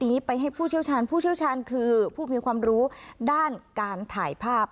นี้ไปให้ผู้เชี่ยวชาญผู้เชี่ยวชาญคือผู้มีความรู้ด้านการถ่ายภาพ